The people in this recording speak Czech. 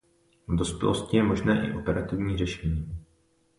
V dospělosti je možné i operativní řešení.